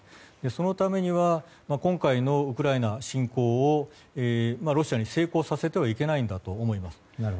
そのためには今回のウクライナ侵攻をロシアに成功させてはいけないんだと思います。